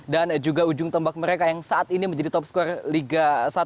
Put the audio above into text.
dan juga ujung tombak mereka yang saat ini menjadi top scorer liga satu